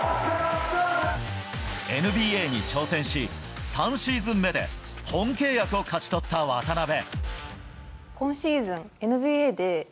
ＮＢＡに挑戦し３シーズン目で本契約を勝ち取った渡邊。